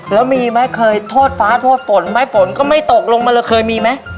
แล้วมีไหมเคยโทษฟ้าโทษฝนไหมฝนก็ไม่ตกลงมาเลยเคยมีไหม